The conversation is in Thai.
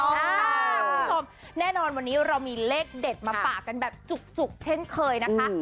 คุณผู้ชมแน่นอนวันนี้เรามีเลขเด็ดมาฝากกันแบบจุกเช่นเคยนะคะ